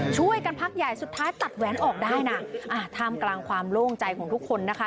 พักใหญ่สุดท้ายตัดแหวนออกได้นะอ่าท่ามกลางความโล่งใจของทุกคนนะคะ